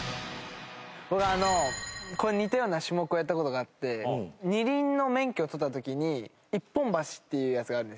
僕あのこれに似たような種目をやった事があって二輪の免許を取った時に一本橋っていうやつがあるんですよ。